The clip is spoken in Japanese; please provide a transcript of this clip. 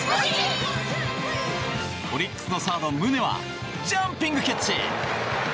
オリックスのサード、宗はジャンピングキャッチ。